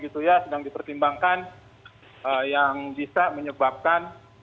sedang dipertimbangkan yang bisa menyebabkan